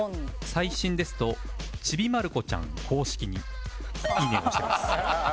最新ですと『ちびまるこちゃん』公式に「いいね」を押してます